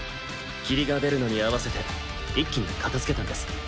霧が出るのに合わせて一気に片づけたんです。